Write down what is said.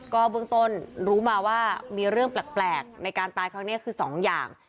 ก็เบื้องต้นรู้มาว่ามีเรื่องแปลกในการตายครั้งนี้คือ๒อย่าง